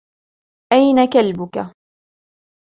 اين كلبك ؟